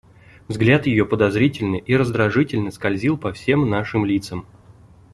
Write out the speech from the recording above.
Взгляд ее подозрительно и раздражительно скользил по всем нашим лицам.